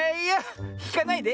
ひかないで。